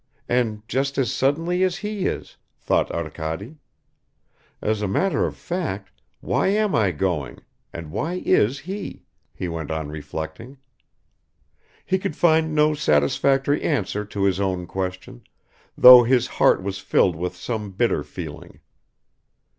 and just as suddenly as he is?" thought Arkady. "As a matter of fact, why am I going, and why is he?" he went on reflecting. He could find no satisfactory answer to his own question, though his heart was filled with some bitter feeling.